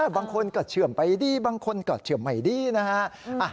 บางคนก็เชื่อมไปดีบางคนก็เชื่อมไม่ดีนะฮะ